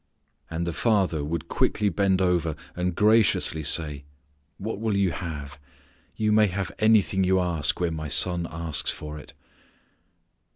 And the Father would quickly bend over and graciously say, "What'll you have? You may have anything you ask when My Son asks for it."